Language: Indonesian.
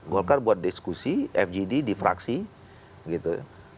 golkar buat diskusi fgd di fraksi gitu